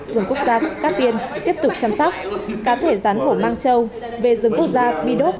vườn quốc gia cát tiên tiếp tục chăm sóc cá thể rán hổ mang châu về rừng quốc gia bi đốt